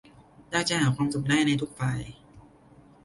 ยากจะหาความสุขได้ในทุกฝ่าย